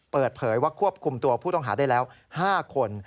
เปิดเผยว่าควบคุมตัวผู้ต้องหาได้แล้ว๕คน